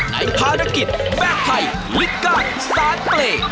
ในภารกิจแม่ไพลิกการซ้านเปรต